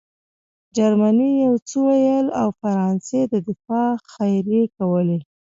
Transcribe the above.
جرمني یو څه ویل او فرانسې د دفاع خبرې کولې